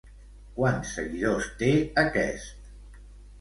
Quants seguidors té aquest?